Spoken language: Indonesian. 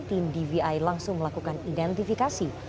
tim dvi langsung melakukan identifikasi